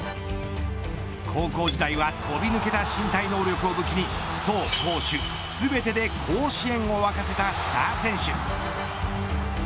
高校時代は飛び抜けた身体能力を武器に走攻守、全てで甲子園を沸かせたスター選手。